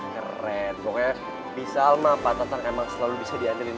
keren pokoknya bisalma pak tatang emang selalu bisa diandalkan